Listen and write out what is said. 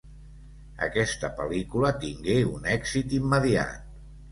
Aquesta pel·lícula tingué un èxit immediat.